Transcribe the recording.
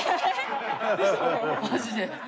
マジで。